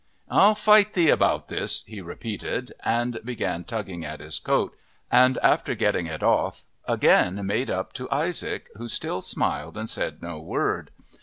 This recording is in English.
"I'll fight thee about this," he repeated, and began tugging at his coat, and after getting it off again made up to Isaac, who still smiled and said no word.